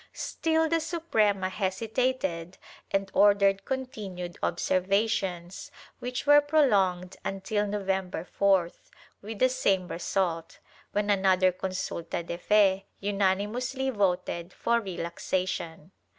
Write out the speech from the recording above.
Still the Suprema hesitated and ordered continued observations, which were prolonged until November 4th, with the same result, when another consulta de fe unanimously voted for relaxation.